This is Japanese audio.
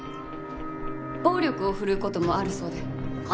暴力を振るう事もあるそうで。